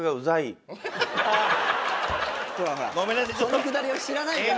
そのくだりを知らないから。